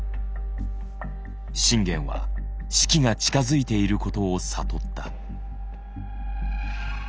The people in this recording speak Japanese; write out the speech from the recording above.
信玄は死期が近づいていることを悟った。